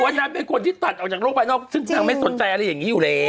นางเป็นคนที่ตัดออกจากโลกภายนอกซึ่งนางไม่สนใจอะไรอย่างนี้อยู่แล้ว